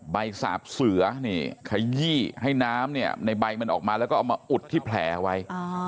สาบเสือนี่ขยี้ให้น้ำเนี่ยในใบมันออกมาแล้วก็เอามาอุดที่แผลไว้